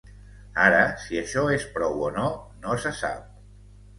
Ara, si això és prou o no, no se sap.